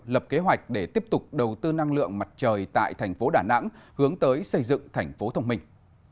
lập kế hoạch để tiếp tục đầu tư năng lượng mặt trời tại thành phố đà nẵng hướng tới xây dựng thành phố thông minh